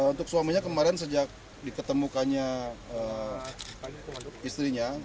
untuk suaminya kemarin sejak diketemukannya istrinya